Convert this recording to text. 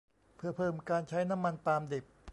เพื่อเพิ่มการใช้น้ำมันปาล์มดิบ